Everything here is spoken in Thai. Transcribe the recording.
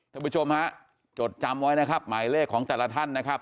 ท่านผู้ชมฮะจดจำไว้นะครับหมายเลขของแต่ละท่านนะครับ